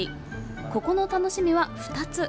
ここの楽しみは２つ。